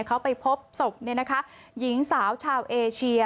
เขาไปพบศพหญิงสาวชาวเอเชีย